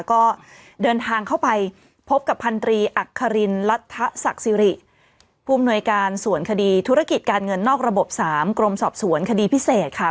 ก็เดินทางเข้าไปพบกับพันธรีอัครินรัฐศักดิ์สิริผู้อำนวยการส่วนคดีธุรกิจการเงินนอกระบบ๓กรมสอบสวนคดีพิเศษค่ะ